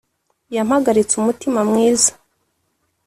yampagaritse umutima mwiza;